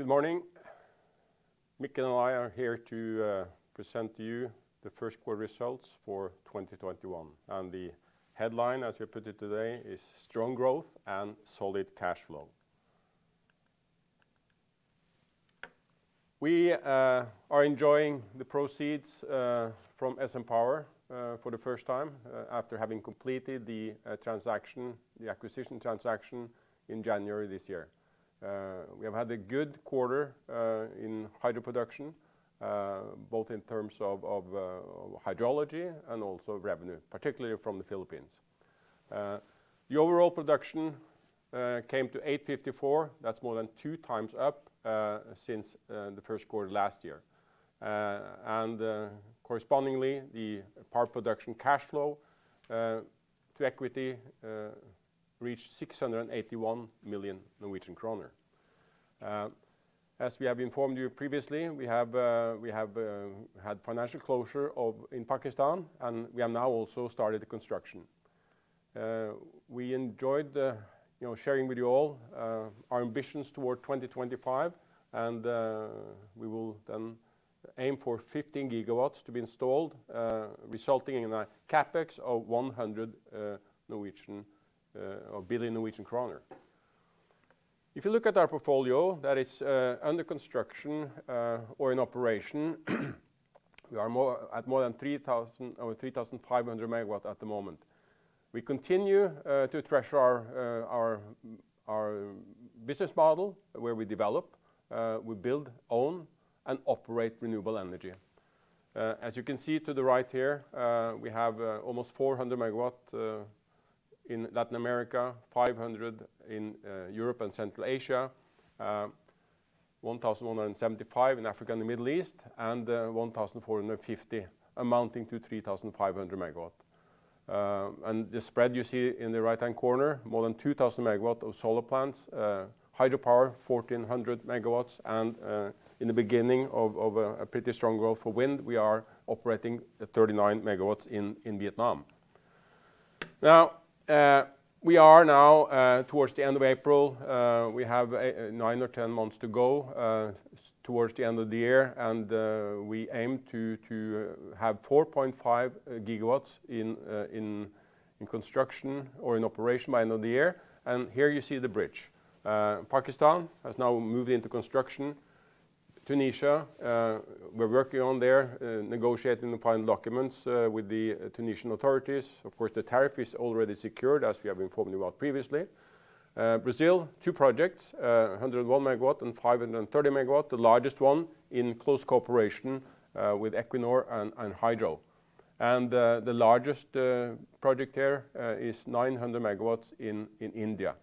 Good morning. Mikkel and I are here to present to you the first quarter results for 2021, the headline, as we put it today, is strong growth and solid cash flow. We are enjoying the proceeds from SN Power for the first time after having completed the acquisition transaction in January this year. We have had a good quarter in hydro production, both in terms of hydrology and also revenue, particularly from the Philippines. The overall production came to 854. That's more than two times up since the first quarter last year. Correspondingly, the power production cash flow to equity reached NOK 681 million. As we have informed you previously, we have had financial closure in Pakistan, we have now also started the construction. We enjoyed sharing with you all our ambitions toward 2025, and we will then aim for 15 GW to be installed, resulting in a CapEx of 100 billion Norwegian kroner. If you look at our portfolio that is under construction or in operation, we are at more than 3,500 MW at the moment. We continue to treasure our business model where we develop, we build, own, and operate renewable energy. As you can see to the right here, we have almost 400 MW in Latin America, 500 MW in Europe and Central Asia, 1,175 MW in Africa and the Middle East, and 1,450 MW amounting to 3,500 MW. The spread you see in the right-hand corner, more than 2,000 MW of solar plants, hydropower 1,400 MW, and in the beginning of a pretty strong growth for wind, we are operating at 39 MW in Vietnam. We are now towards the end of April. We have nine or 10 months to go towards the end of the year, and we aim to have 4.5 GW in construction or in operation by end of the year. Here you see the bridge. Pakistan has now moved into construction. Tunisia, we're working on there, negotiating the final documents with the Tunisian authorities. Of course, the tariff is already secured, as we have informed you about previously. Brazil, two projects, 101 MW and 530 MW, the largest one in close cooperation with Equinor and Hydro. The largest project there is 900 MW in India.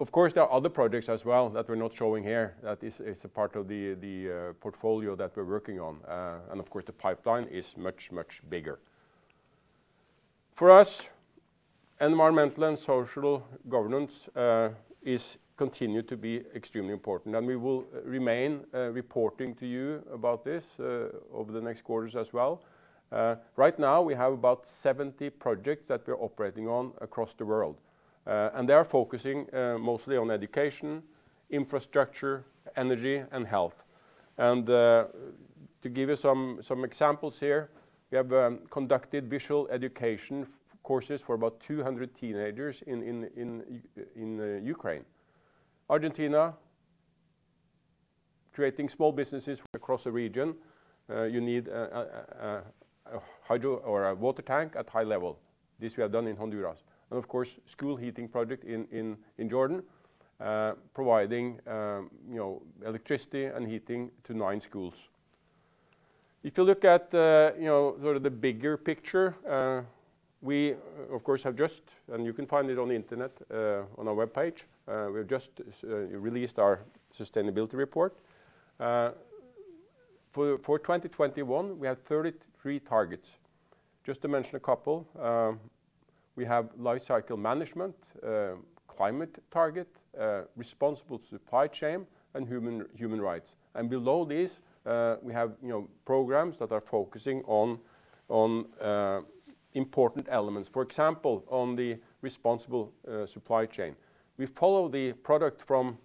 Of course, there are other projects as well that we're not showing here that is a part of the portfolio that we're working on. Of course, the pipeline is much, much bigger. For us, environmental and social governance is continued to be extremely important. We will remain reporting to you about this over the next quarters as well. Right now, we have about 70 projects that we're operating on across the world. They are focusing mostly on education, infrastructure, energy, and health. To give you some examples here, we have conducted vocational education courses for about 200 teenagers in Ukraine. Argentina, creating small businesses across the region. You need a hydro or a water tank at high level. This we have done in Honduras. Of course, school heating project in Jordan, providing electricity and heating to nine schools. If you look at the bigger picture, we of course have just, and you can find it on the internet, on our webpage. We have just released our sustainability report. For 2021, we had 33 targets. Just to mention a couple, we have life cycle management, climate target, responsible supply chain, and human rights. Below this, we have programs that are focusing on important elements. For example, on the responsible supply chain. We follow the product from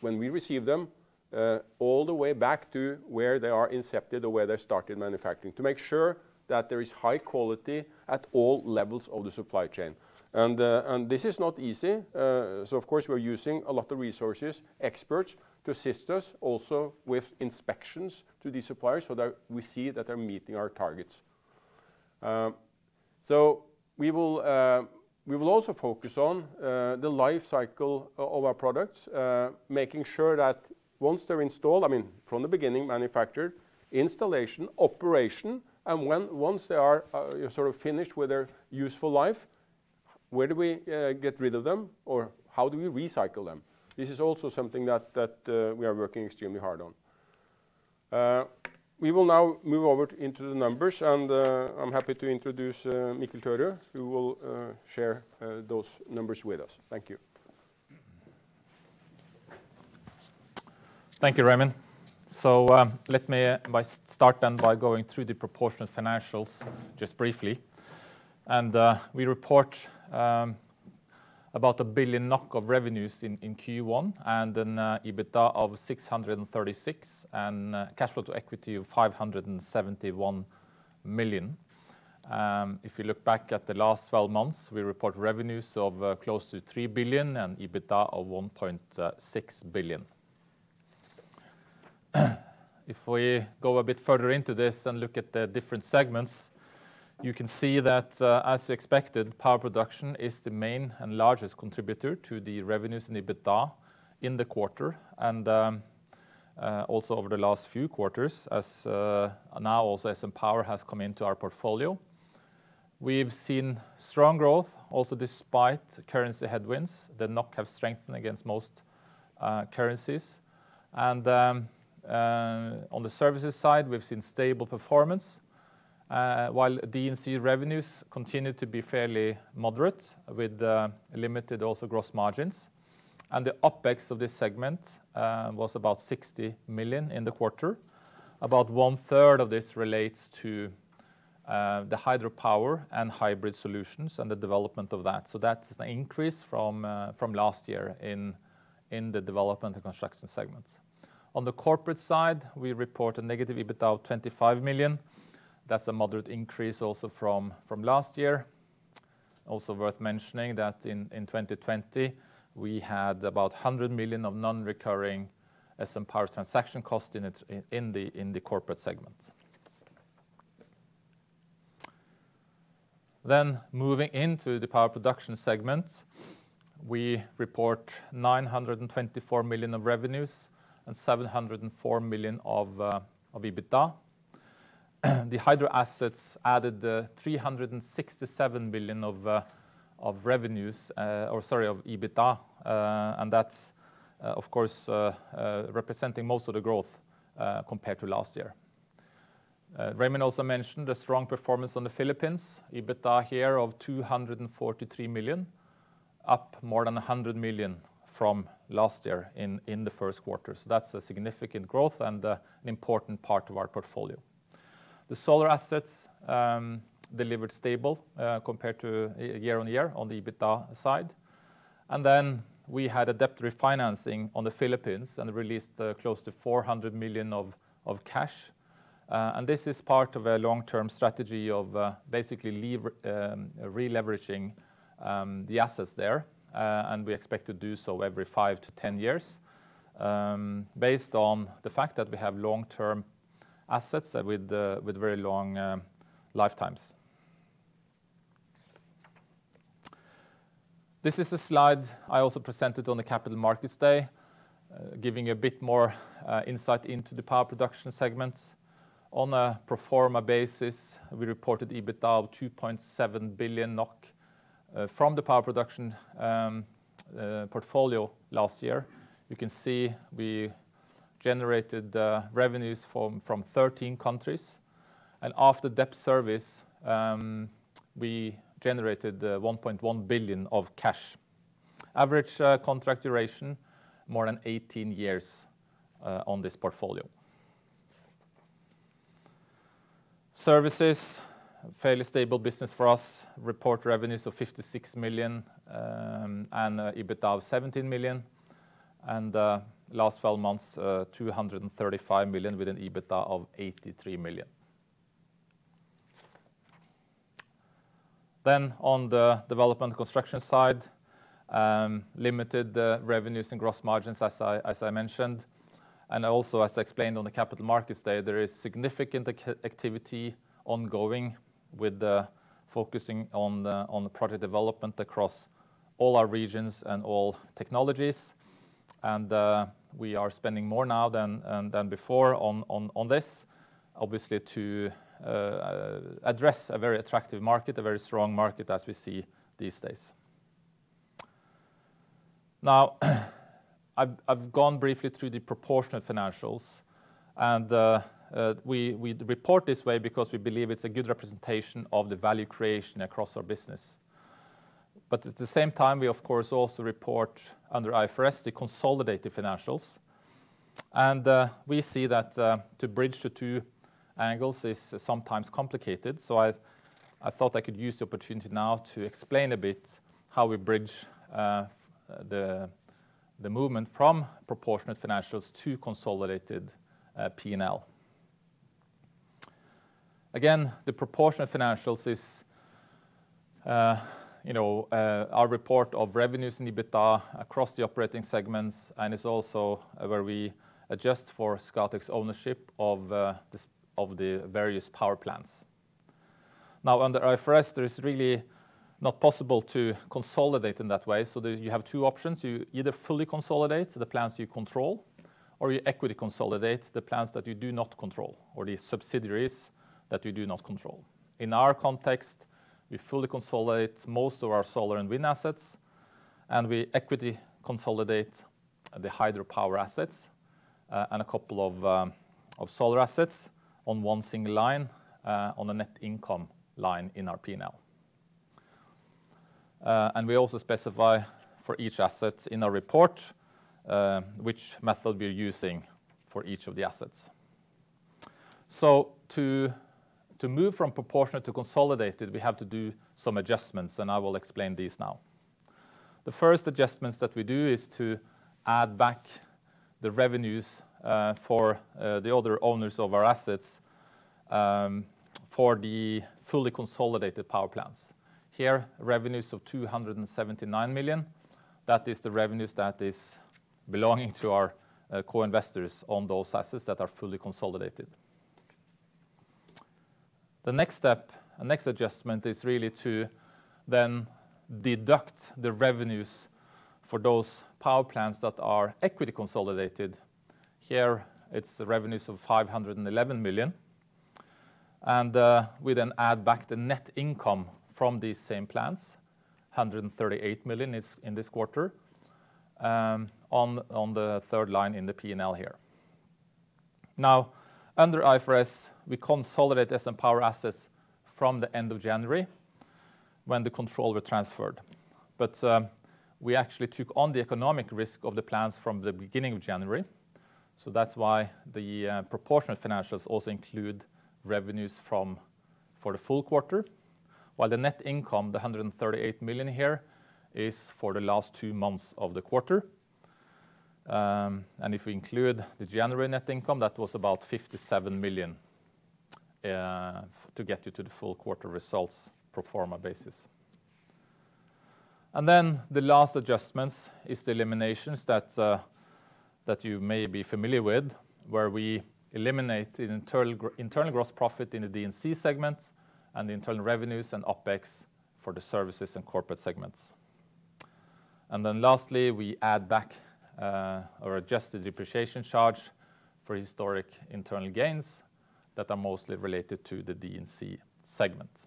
when we receive them all the way back to where they are incepted or where they started manufacturing to make sure that there is high quality at all levels of the supply chain. This is not easy, so of course, we're using a lot of resources, experts to assist us also with inspections to these suppliers so that we see that they're meeting our targets. We will also focus on the life cycle of our products, making sure that once they're installed, I mean, from the beginning, manufactured, installation, operation, and once they are finished with their useful life, where do we get rid of them or how do we recycle them? This is also something that we are working extremely hard on. We will now move over into the numbers, and I'm happy to introduce Mikkel Tørud, who will share those numbers with us. Thank you. Thank you, Raymond. Let me start by going through the proportionate financials just briefly. We report about 1 billion NOK of revenues in Q1 and an EBITDA of 636 million and cash flow to equity of 571 million. If you look back at the last 12 months, we report revenues of close to 3 billion and EBITDA of 1.6 billion. If we go a bit further into this and look at the different segments, you can see that, as expected, power production is the main and largest contributor to the revenues and EBITDA in the quarter and also over the last few quarters now also as SN Power has come into our portfolio. We've seen strong growth also despite currency headwinds that NOK have strengthened against most currencies. On the services side, we've seen stable performance, while D&C revenues continue to be fairly moderate with limited also gross margins. The OpEx of this segment was about 60 million in the quarter. About 1/3 of this relates to the hydropower and hybrid solutions and the development of that. That's the increase from last year in the development and construction segments. On the corporate side, we report a negative EBITDA of 25 million. That's a moderate increase also from last year. Also worth mentioning that in 2020, we had about 100 million of non-recurring SN Power transaction cost in the corporate segment. Moving into the power production segment, we report 924 million of revenues and 704 million of EBITDA. The hydro assets added 367 million of revenues, or sorry, of EBITDA, and that's, of course, representing most of the growth, compared to last year. Raymond also mentioned a strong performance on the Philippines, EBITDA here of 243 million, up more than 100 million from last year in the first quarter. That's a significant growth and an important part of our portfolio. The solar assets delivered stable, compared to year-over-year on the EBITDA side. We had a debt refinancing on the Philippines and released close to 400 million of cash. This is part of a long-term strategy of basically releveraging the assets there, and we expect to do so every five to 10 years, based on the fact that we have long-term assets with very long lifetimes. This is a slide I also presented on the Capital Markets Day, giving a bit more insight into the power production segments. On a pro forma basis, we reported EBITDA of 2.7 billion NOK from the power production portfolio last year. You can see we generated revenues from 13 countries. After debt service, we generated 1.1 billion of cash. Average contract duration, more than 18 years on this portfolio. Services, fairly stable business for us. Report revenues of 56 million, EBITDA of 17 million, last 12 months, 235 million with an EBITDA of 83 million. On the development construction side, limited revenues and gross margins as I mentioned. Also as explained on the Capital Markets Day, there is significant activity ongoing with the focusing on the project development across all our regions and all technologies. We are spending more now than before on this, obviously to address a very attractive market, a very strong market as we see these days. Now, I've gone briefly through the proportionate financials, and we report this way because we believe it's a good representation of the value creation across our business. At the same time, we of course also report under IFRS the consolidated financials. We see that to bridge the two angles is sometimes complicated, so I thought I could use the opportunity now to explain a bit how we bridge the movement from proportionate financials to consolidated P&L. Again, the proportionate financials is our report of revenues and EBITDA across the operating segments and is also where we adjust for Scatec's ownership of the various power plants. Now, under IFRS, there is really not possible to consolidate in that way, so you have two options. You either fully consolidate the plants you control, or you equity consolidate the plants that you do not control or the subsidiaries that you do not control. In our context, we fully consolidate most of our solar and wind assets, and we equity consolidate the hydropower assets and a couple of solar assets on one single line on the net income line in our P&L. We also specify for each asset in our report which method we are using for each of the assets. To move from proportionate to consolidated, we have to do some adjustments, and I will explain these now. The first adjustments that we do is to add back the revenues for the other owners of our assets for the fully consolidated power plants. Here, revenues of 279 million. That is the revenues that is belonging to our co-investors on those assets that are fully consolidated. The next step, the next adjustment, is really to then deduct the revenues for those power plants that are equity consolidated. Here it's the revenues of 511 million. We then add back the net income from these same plants, 138 million in this quarter, on the third line in the P&L here. Under IFRS, we consolidate SN Power assets from the end of January, when the control was transferred. We actually took on the economic risk of the plants from the beginning of January. That's why the proportionate financials also include revenues for the full quarter, while the net income, the 138 million here, is for the last two months of the quarter. If we include the January net income, that was about 57 million, to get you to the full quarter results pro forma basis. The last adjustments is the eliminations that you may be familiar with, where we eliminate the internal gross profit in the D&C segments and the internal revenues and OpEx for the services and corporate segments. Lastly, we add back our adjusted depreciation charge for historic internal gains that are mostly related to the D&C segments.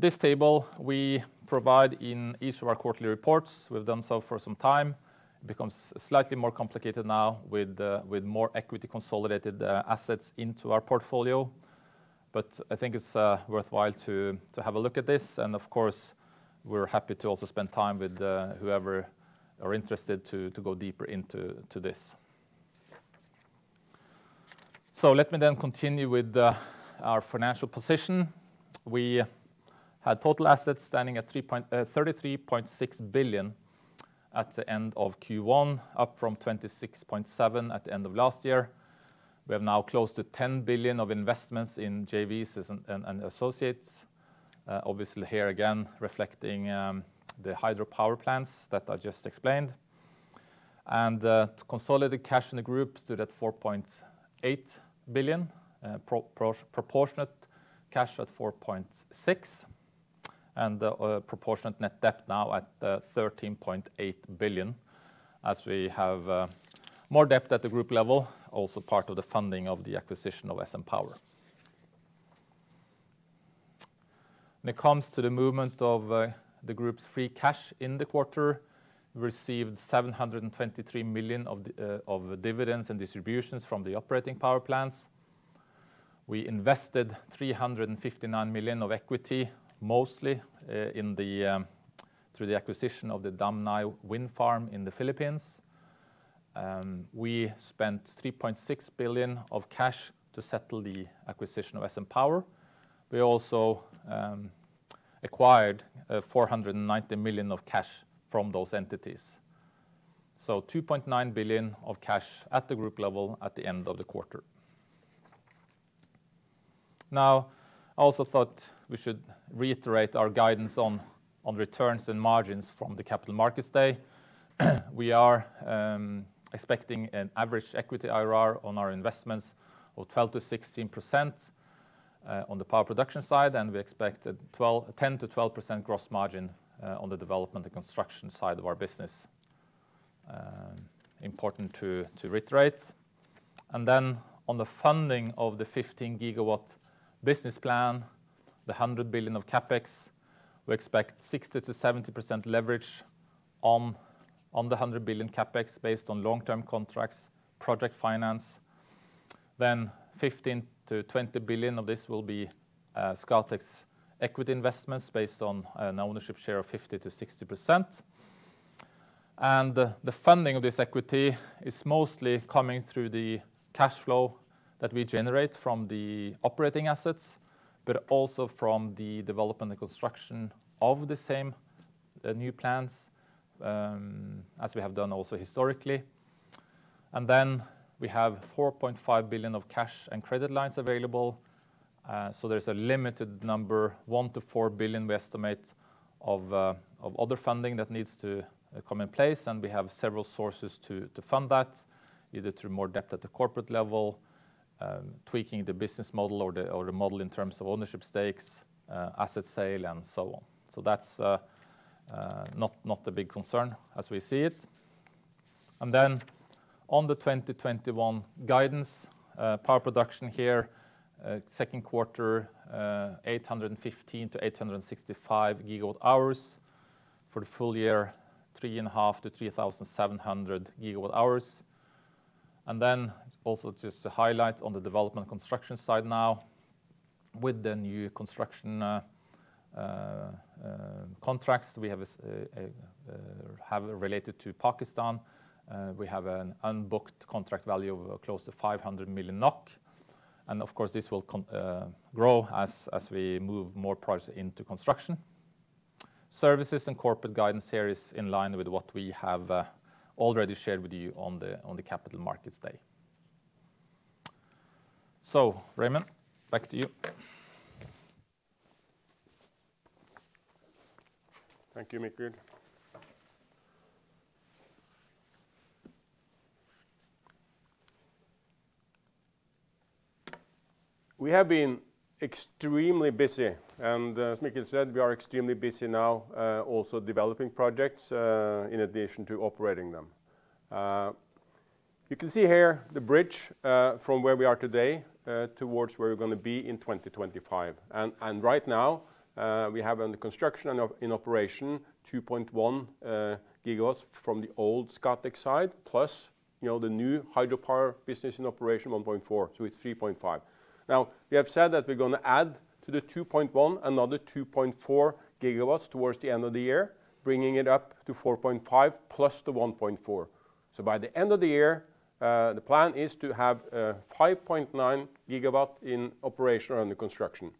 This table we provide in each of our quarterly reports. We've done so for some time. Becomes slightly more complicated now with more equity consolidated assets into our portfolio. I think it's worthwhile to have a look at this. Of course, we're happy to also spend time with whoever are interested to go deeper into this. Let me continue with our financial position. We had total assets standing at 33.6 billion at the end of Q1, up from 26.7 billion at the end of last year. We have now close to 10 billion of investments in JVs and associates. Here again reflecting the hydropower plants that I just explained. The consolidated cash in the group stood at 4.8 billion, proportionate cash at 4.6 billion, and the proportionate net debt now at 13.8 billion, as we have more debt at the group level, also part of the funding of the acquisition of SN Power. When it comes to the movement of the group's free cash in the quarter, we received 723 million of dividends and distributions from the operating power plants. We invested 359 million of equity, mostly through the acquisition of the Dam Nai wind farm in the Philippines. We spent 3.6 billion of cash to settle the acquisition of SN Power. We also acquired 490 million of cash from those entities. 2.9 billion of cash at the group level at the end of the quarter. I also thought we should reiterate our guidance on returns and margins from the Capital Markets Day. We are expecting an average equity IRR on our investments of 12%-16% on the power production side, and we expect a 10%-12% gross margin on the development and construction side of our business. Important to reiterate. On the funding of the 15 GW business plan, the 100 billion of CapEx, we expect 60%-70% leverage on the 100 billion CapEx based on long-term contracts, project finance. 15 billion-20 billion of this will be Scatec's equity investments based on an ownership share of 50%-60%. The funding of this equity is mostly coming through the cash flow that we generate from the operating assets, but also from the development and construction of the same new plants, as we have done also historically. We have 4.5 billion of cash and credit lines available. There's a limited number, 1 billion-4 billion we estimate, of other funding that needs to come in place, and we have several sources to fund that, either through more debt at the corporate level, tweaking the business model or the model in terms of ownership stakes, asset sale and so on. That's not a big concern as we see it. On the 2021 guidance, power production here, second quarter, 815-865 GWh. For the full-year, 3,500-3,700 GWh. Also just to highlight on the development construction side now, with the new construction contracts we have related to Pakistan, we have an unbooked contract value of close to 500 million NOK. Of course, this will grow as we move more projects into construction. Services and corporate guidance here is in line with what we have already shared with you on the Capital Markets Day. Raymond, back to you. Thank you, Mikkel. We have been extremely busy, and as Mikkel said, we are extremely busy now also developing projects in addition to operating them. You can see here the bridge from where we are today towards where we're going to be in 2025. Right now, we have under construction and in operation 2.1 GW from the old Scatec side, plus the new hydropower business in operation 1.4 GW, so it's 3.5 GW. Now, we have said that we're going to add to the 2.1 GW another 2.4 GW towards the end of the year, bringing it up to 4.5 GW plus the 1.4 GW. By the end of the year, the plan is to have 5.9 GW in operation under construction.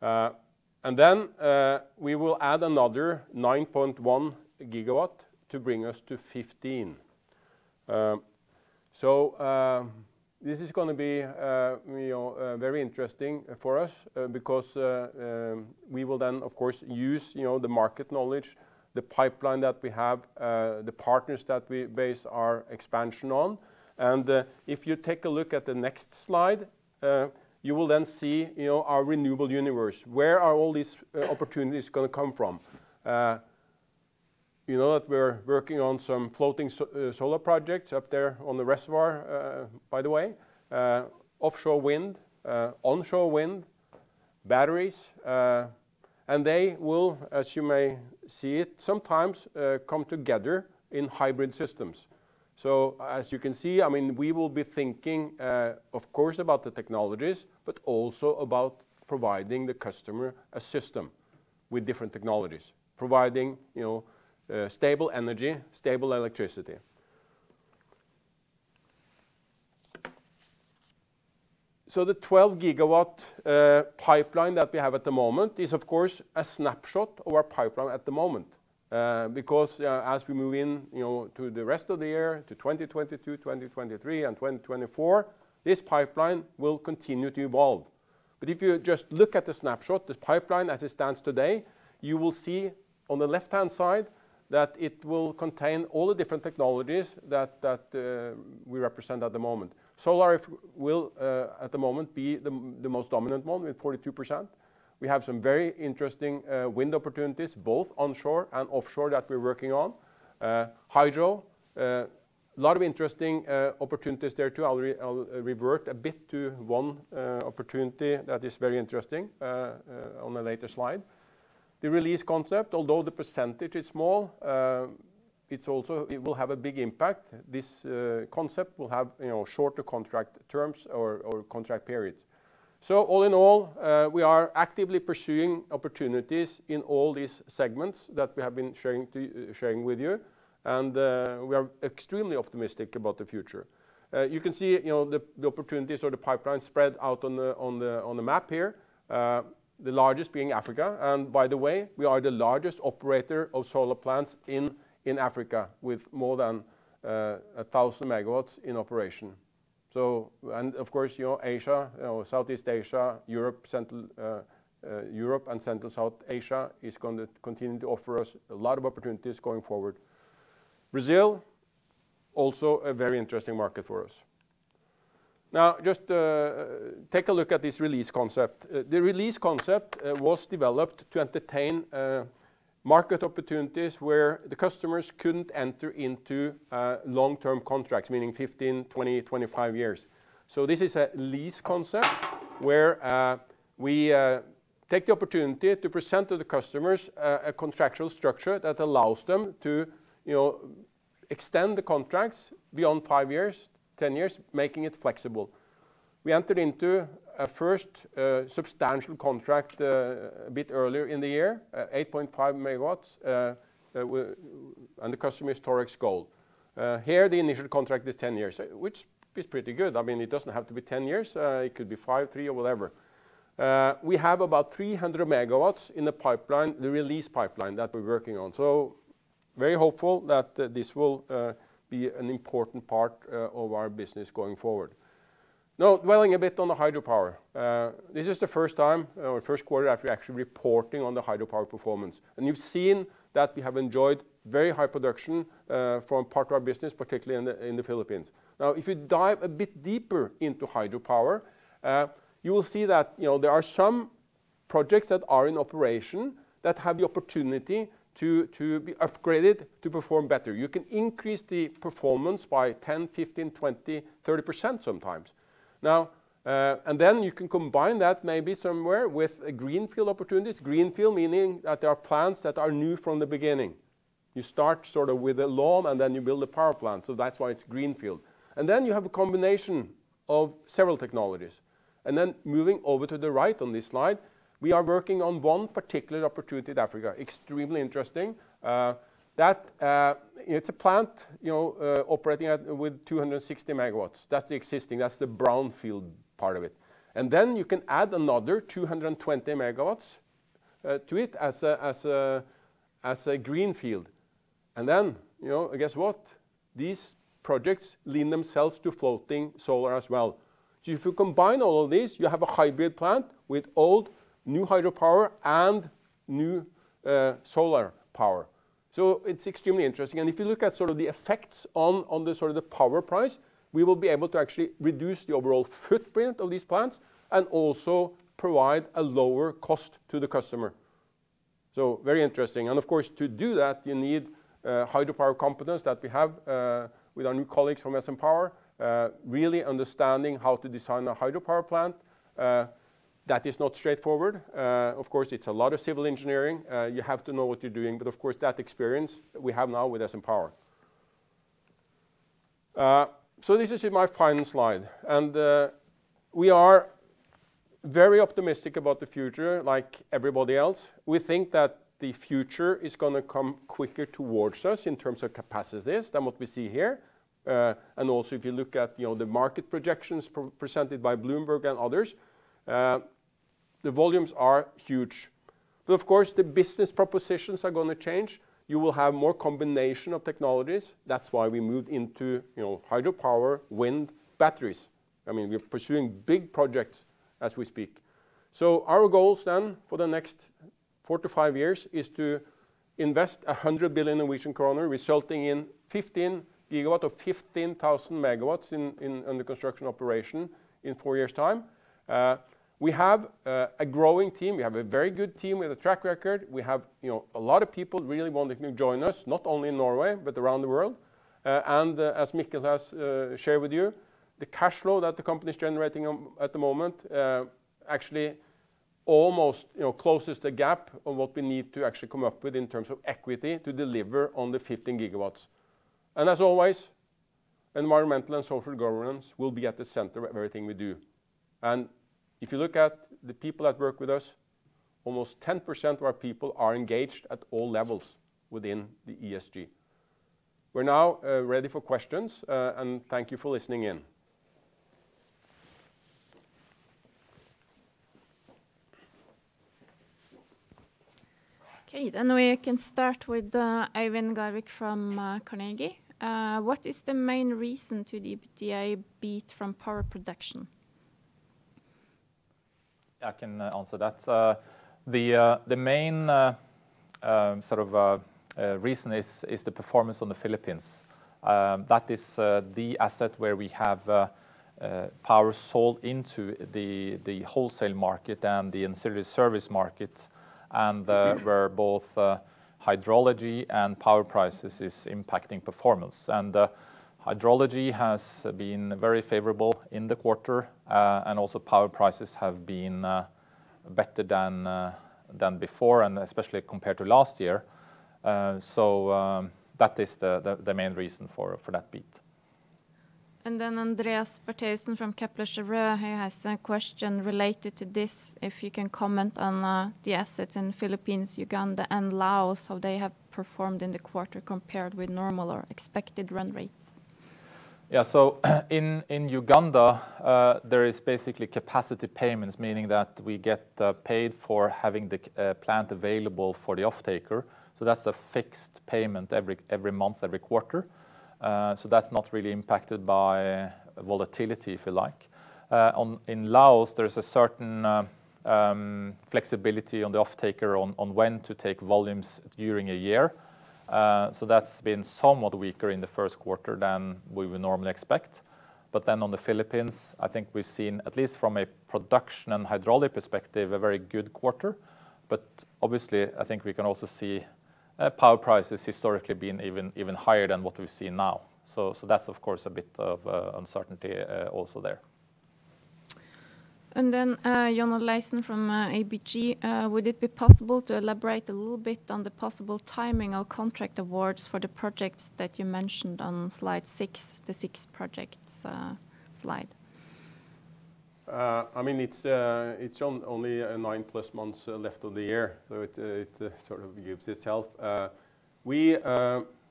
Then we will add another 9.1 GW to bring us to 15 GW. This is going to be very interesting for us because we will then, of course, use the market knowledge, the pipeline that we have, the partners that we base our expansion on. If you take a look at the next slide, you will then see our renewable universe. Where are all these opportunities going to come from? You know that we're working on some floating solar projects up there on the reservoir by the way. Offshore wind, onshore wind, batteries, and they will, as you may see it, sometimes come together in hybrid systems. As you can see, we will be thinking, of course, about the technologies, but also about providing the customer a system with different technologies, providing stable energy, stable electricity. The 12-GW pipeline that we have at the moment is, of course, a snapshot of our pipeline at the moment. As we move in to the rest of the year, to 2022, 2023, and 2024, this pipeline will continue to evolve. If you just look at the snapshot, this pipeline as it stands today, you will see on the left-hand side that it will contain all the different technologies that we represent at the moment. Solar will, at the moment, be the most dominant one with 42%. We have some very interesting wind opportunities, both onshore and offshore, that we're working on. Hydro, lot of interesting opportunities there, too. I'll revert a bit to one opportunity that is very interesting on a later slide. The Release concept, although the percentage is small, it will have a big impact. This concept will have shorter contract terms or contract periods. All in all, we are actively pursuing opportunities in all these segments that we have been sharing with you. We are extremely optimistic about the future. You can see the opportunities or the pipeline spread out on the map here, the largest being Africa. By the way, we are the largest operator of solar plants in Africa with more than 1,000 MW in operation. Of course, Asia, Southeast Asia, Europe, and Central-South Asia is going to continue to offer us a lot of opportunities going forward. Brazil, also a very interesting market for us. Just take a look at this Release concept. The Release concept was developed to entertain market opportunities where the customers couldn't enter into long-term contracts, meaning 15, 20, 25 years. This is a lease concept where we take the opportunity to present to the customers a contractual structure that allows them to extend the contracts beyond five years, 10 years, making it flexible. We entered into a first substantial contract a bit earlier in the year, 8.5 MW. The customer is Torex Gold. Here, the initial contract is 10 years, which is pretty good. It doesn't have to be 10 years. It could be five, three, or whatever. We have about 300 MW in the Release pipeline that we're working on. Very hopeful that this will be an important part of our business going forward. Dwelling a bit on the hydropower. This is the first time or first quarter that we're actually reporting on the hydropower performance. You've seen that we have enjoyed very high production from part of our business, particularly in the Philippines. If you dive a bit deeper into hydropower, you will see that there are some projects that are in operation that have the opportunity to be upgraded to perform better. You can increase the performance by 10%, 15%, 20%, 30% sometimes. You can combine that maybe somewhere with greenfield opportunities, greenfield meaning that there are plants that are new from the beginning. You start with a loan, and then you build a power plant. That's why it's greenfield. You have a combination of several technologies. Moving over to the right on this slide, we are working on one particular opportunity in Africa, extremely interesting. It's a plant operating with 260 MW. That's the existing, that's the brownfield part of it. You can add another 220 MW to it as a greenfield. Guess what? These projects lend themselves to floating solar as well. If you combine all of these, you have a hybrid plant with old, new hydropower, and new solar power. It's extremely interesting. If you look at the effects on the power price, we will be able to actually reduce the overall footprint of these plants and also provide a lower cost to the customer. Very interesting. Of course, to do that, you need hydropower competence that we have with our new colleagues from SN Power, really understanding how to design a hydropower plant. That is not straightforward. Of course, it's a lot of civil engineering. You have to know what you're doing, but of course, that experience we have now with SN Power. This is my final slide. We are very optimistic about the future, like everybody else. We think that the future is going to come quicker towards us in terms of capacities than what we see here. Also if you look at the market projections presented by Bloomberg and others, the volumes are huge. Of course, the business propositions are going to change. You will have more combination of technologies. That's why we moved into hydropower, wind, batteries. We're pursuing big projects as we speak. Our goals for the next four to five years is to invest 100 billion Norwegian kroner, resulting in 15,000 MW under construction operation in four years' time. We have a growing team. We have a very good team with a track record. We have a lot of people really wanting to join us, not only in Norway, but around the world. As Mikkel has shared with you, the cash flow that the company is generating at the moment actually almost closes the gap on what we need to actually come up with in terms of equity to deliver on the 15 GW. As always, environmental and social governance will be at the center of everything we do. If you look at the people that work with us, almost 10% of our people are engaged at all levels within the ESG. We're now ready for questions, and thank you for listening in. Okay, we can start with Eivind Garvik from Carnegie. What is the main reason to the EBITDA beat from power production? I can answer that. The main reason is the performance on the Philippines. That is the asset where we have power sold into the wholesale market and the ancillary service market, and where both hydrology and power prices is impacting performance. Hydrology has been very favorable in the quarter, and also power prices have been better than before, and especially compared to last year. That is the main reason for that beat. Andreas Bertheussen from Kepler Cheuvreux, he has a question related to this. If you can comment on the assets in Philippines, Uganda, and Laos, how they have performed in the quarter compared with normal or expected run rates? Yeah. In Uganda, there is basically capacity payments, meaning that we get paid for having the plant available for the offtaker. That's a fixed payment every month, every quarter. That's not really impacted by volatility, if you like. In Laos, there is a certain flexibility on the offtaker on when to take volumes during a year. That's been somewhat weaker in the first quarter than we would normally expect. On the Philippines, I think we've seen, at least from a production and hydraulic perspective, a very good quarter. Obviously, I think we can also see power prices historically being even higher than what we see now. That's, of course, a bit of uncertainty also there. Jonas Larsen from ABG. Would it be possible to elaborate a little bit on the possible timing of contract awards for the projects that you mentioned on slide six, the six projects slide? It's only nine plus months left of the year, it sort of gives itself.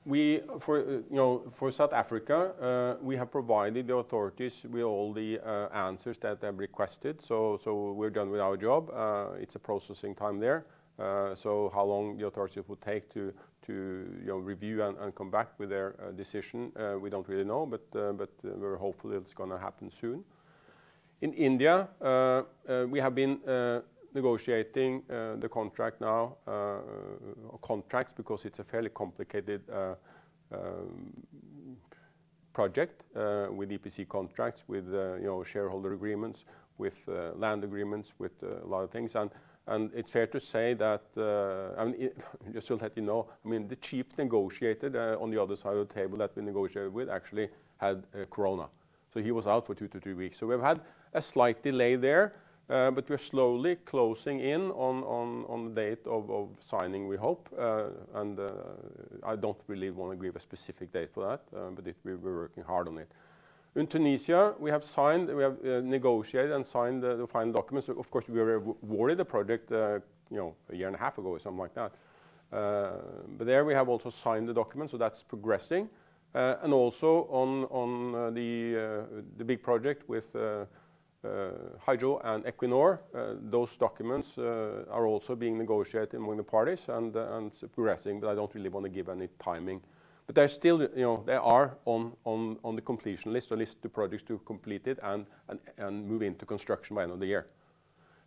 For South Africa, we have provided the authorities with all the answers that they have requested. We're done with our job. It's a processing time there. How long the authorities will take to review and come back with their decision, we don't really know, but we're hopeful it's going to happen soon. In India, we have been negotiating the contract now, or contracts, because it's a fairly complicated project with EPC contracts, with shareholder agreements, with land agreements, with a lot of things. Just to let you know, the chief negotiator on the other side of the table that we negotiated with actually had Corona. So he was out for two to three weeks. We've had a slight delay there, but we're slowly closing in on the date of signing, we hope. I don't really want to give a specific date for that. We're working hard on it. In Tunisia, we have signed, we have negotiated and signed the final documents. Of course, we awarded the project a year and a half ago or something like that. There we have also signed the documents, so that's progressing. Also on the big project with Hydro and Equinor, those documents are also being negotiated among the parties and progressing, but I don't really want to give any timing. They are on the completion list, the list of projects to be completed and move into construction by end of the year.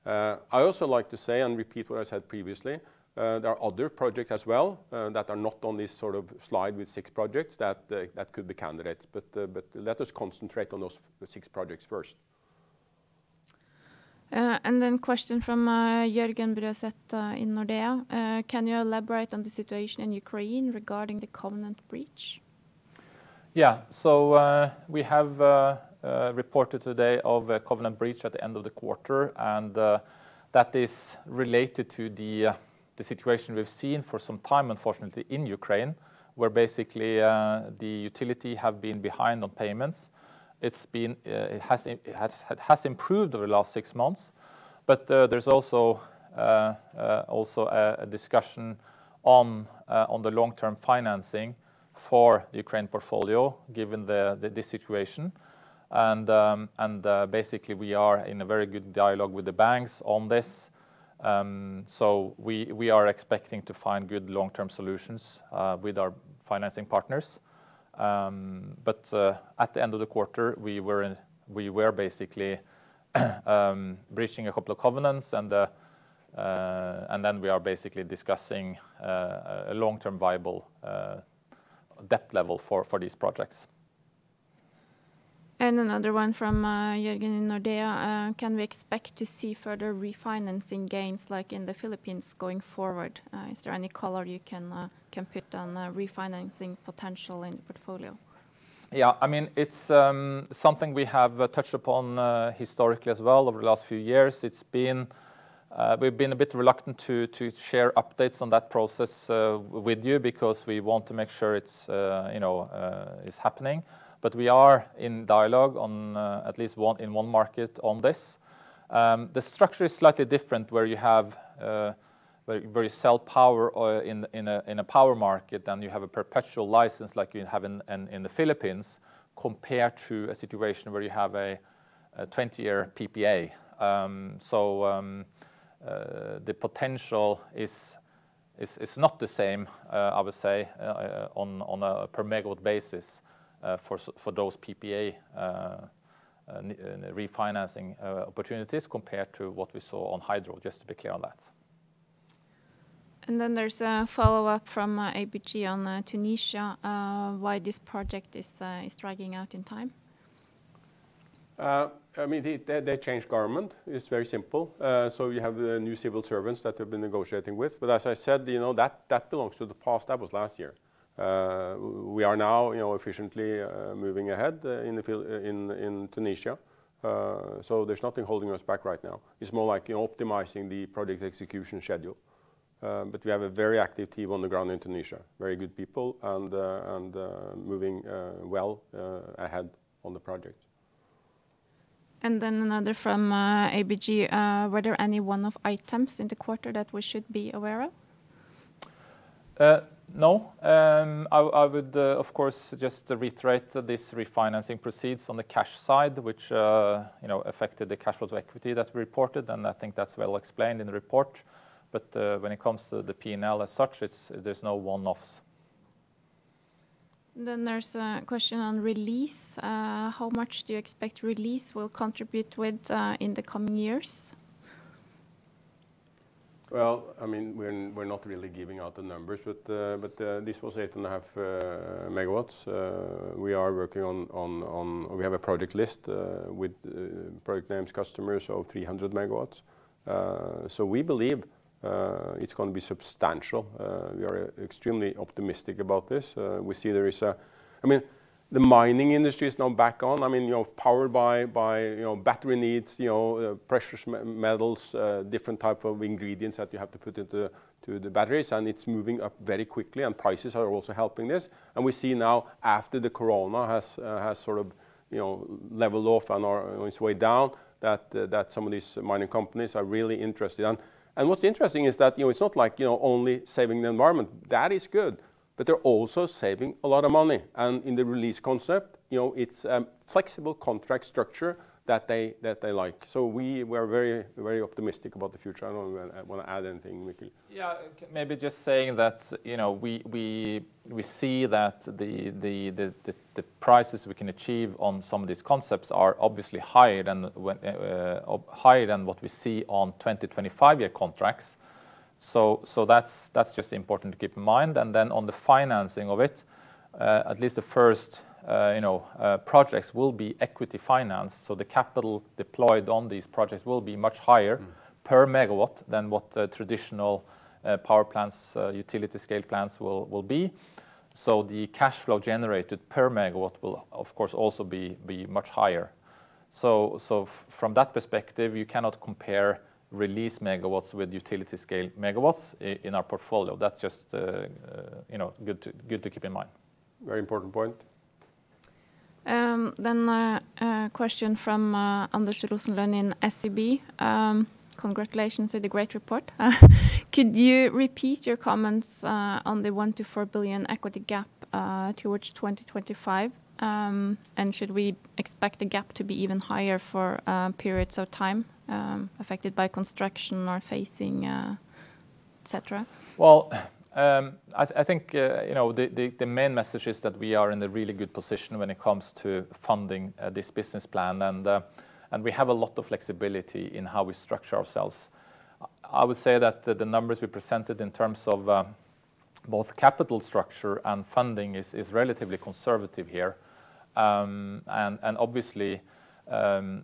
I also like to say and repeat what I said previously, there are other projects as well that are not on this slide with six projects that could be candidates, but let us concentrate on those six projects first. Question from Jørgen Bruaset in Nordea. Can you elaborate on the situation in Ukraine regarding the covenant breach? Yeah. We have reported today of a covenant breach at the end of the quarter, and that is related to the situation we've seen for some time, unfortunately, in Ukraine, where basically the utility have been behind on payments. It has improved over the last six months, but there's also a discussion on the long-term financing for the Ukraine portfolio, given the situation. Basically, we are in a very good dialogue with the banks on this. We are expecting to find good long-term solutions with our financing partners. At the end of the quarter, we were basically breaching a couple of covenants, and then we are basically discussing a long-term viable debt level for these projects. Another one from Jørgen in Nordea. Can we expect to see further refinancing gains like in the Philippines going forward? Is there any color you can put on refinancing potential in the portfolio? It's something we have touched upon historically as well over the last few years. We've been a bit reluctant to share updates on that process with you because we want to make sure it's happening. We are in dialogue on at least in one market on this. The structure is slightly different where you sell power in a power market, and you have a perpetual license like you have in the Philippines, compared to a situation where you have a 20-year PPA. The potential is not the same, I would say, on a per megawatt basis for those PPA refinancing opportunities compared to what we saw on Hydro, just to be clear on that. There's a follow-up from ABG on Tunisia, why this project is dragging out in time. They changed government. It's very simple. You have the new civil servants that we've been negotiating with. As I said, that belongs to the past. That was last year. We are now efficiently moving ahead in Tunisia, so there's nothing holding us back right now. It's more like optimizing the project execution schedule. We have a very active team on the ground in Tunisia, very good people, and moving well ahead on the project. Another from ABG. Were there any one-off items in the quarter that we should be aware of? No. I would, of course, just reiterate this refinancing proceeds on the cash side, which affected the cash flow to equity that we reported, and I think that's well explained in the report. When it comes to the P&L as such, there's no one-offs. There's a question on Release. How much do you expect Release will contribute with in the coming years? Well, we're not really giving out the numbers, but this was 8.5 MW. We have a project list with project names, customers of 300 MW. We believe it's going to be substantial. We are extremely optimistic about this. The mining industry is now back on, powered by battery needs, precious metals, different type of ingredients that you have to put into the batteries, and it's moving up very quickly, and prices are also helping this. We see now after the corona has sort of leveled off and on its way down, that some of these mining companies are really interested. What's interesting is that it's not like only saving the environment. That is good, they're also saving a lot of money. In the Release concept, it's a flexible contract structure that they like. We are very optimistic about the future. I don't know if you want to add anything, Mikkel. Yeah, maybe just saying that we see that the prices we can achieve on some of these concepts are obviously higher than what we see on 20, 25-year contracts. That's just important to keep in mind. On the financing of it, at least the first projects will be equity financed. The capital deployed on these projects will be much higher per megawatt than what traditional power plants, utility scale plants will be. The cash flow generated per megawatt will, of course, also be much higher. From that perspective, you cannot compare Release megawatts with utility scale megawatts in our portfolio. That's just good to keep in mind. Very important point. A question from Anders Rosenlund in SEB. Congratulations on the great report. Could you repeat your comments on the 1 billion to 4 billion equity gap towards 2025, and should we expect the gap to be even higher for periods of time affected by construction or phacing et cetera? Well, I think the main message is that we are in a really good position when it comes to funding this business plan, and we have a lot of flexibility in how we structure ourselves. I would say that the numbers we presented in terms of both capital structure and funding is relatively conservative here. Obviously,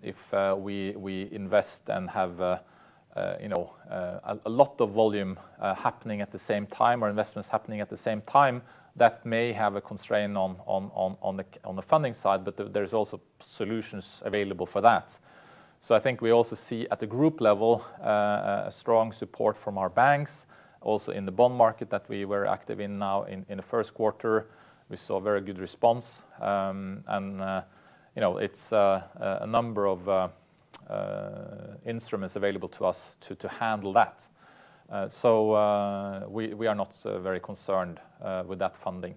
if we invest and have a lot of volume happening at the same time or investments happening at the same time, that may have a constraint on the funding side, but there's also solutions available for that. I think we also see at the group level, a strong support from our banks, also in the bond market that we were active in now in the first quarter. We saw a very good response. It's a number of instruments available to us to handle that. We are not very concerned with that funding.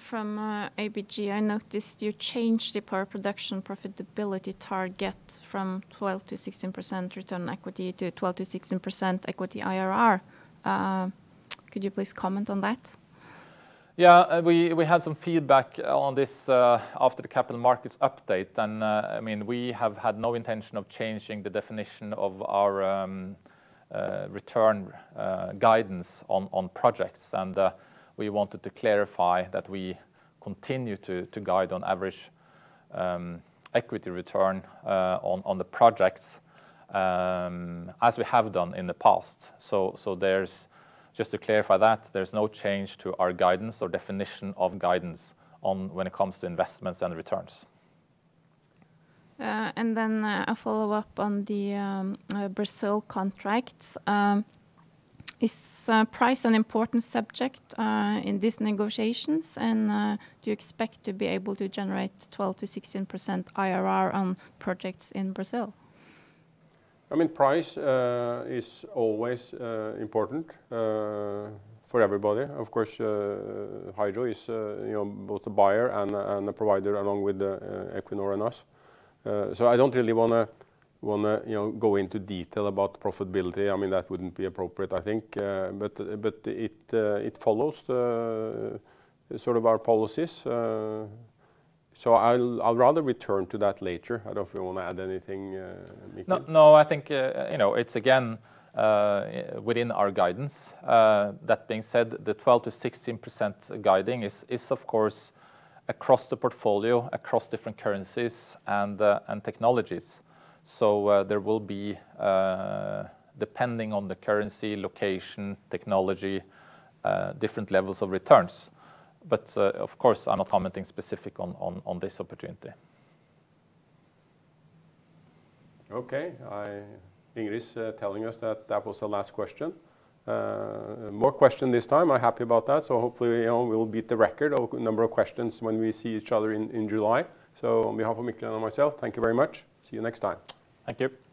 From ABG, I noticed you changed the power production profitability target from 12%-16% return equity to 12%-16% equity IRR. Could you please comment on that? Yeah. We had some feedback on this after the Capital Markets update. We have had no intention of changing the definition of our return guidance on projects. We wanted to clarify that we continue to guide on average equity return on the projects as we have done in the past. Just to clarify that, there's no change to our guidance or definition of guidance when it comes to investments and returns. A follow-up on the Brazil contracts. Is price an important subject in these negotiations, and do you expect to be able to generate 12%-16% IRR on projects in Brazil? Price is always important for everybody. Of course, Hydro is both a buyer and a provider along with Equinor and us. I don't really want to go into detail about profitability. That wouldn't be appropriate, I think. It follows our policies. I'll rather return to that later. I don't know if you want to add anything, Mikkel. I think it's again within our guidance. That being said, the 12%-16% guiding is of course across the portfolio, across different currencies and technologies. There will be, depending on the currency, location, technology, different levels of returns. Of course, I'm not commenting specific on this opportunity. Okay. Ingrid is telling us that that was the last question. More question this time. I'm happy about that. Hopefully, we will beat the record of number of questions when we see each other in July. On behalf of Mikkel and myself, thank you very much. See you next time. Thank you.